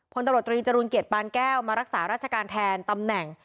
พลตำรวจตรีจรูลเกียรติปานแก้วมารักษาราชการแทนตำแหน่ง